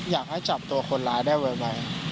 อยากให้จับตัวคนร้ายได้ไว